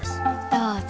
どうぞ。